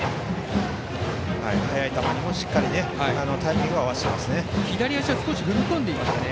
速い球にもしっかりタイミングを合わせてますね。